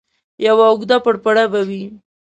یوه اوږده پړپړه به وي.